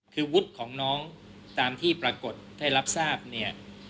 คือวุฒิของน้องตามที่ปรากฏได้รับทราบเนี่ย